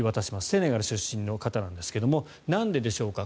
セネガル出身の方なんですがなんででしょうか。